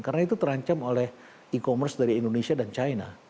karena itu terancam oleh e commerce dari indonesia dan china